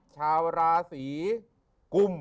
ชาวราศีกุม